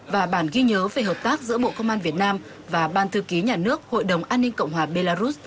và bản ghi nhớ về hợp tác giữa bộ công an việt nam và ban thư ký nhà nước hội đồng an ninh cộng hòa belarus